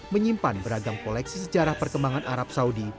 menyimpan beragam koleksi sejarah perkembangan arab saudi